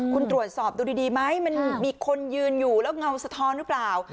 คุณตรวจสอบดูดีไหมมันมีคนยืนอยู่แล้วเงาสะท้อนหรือเปล่า